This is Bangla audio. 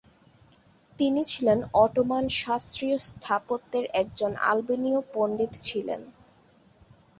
তিনি ছিলেন অটোমান শাস্ত্রীয় স্থাপত্যের একজন আলবেনিয় পণ্ডিত ছিলেন।